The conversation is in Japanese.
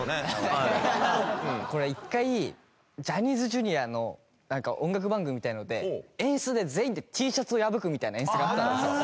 これ１回ジャニーズＪｒ．の音楽番組みたいなので演出で全員でＴシャツを破くみたいな演出があったんですよ。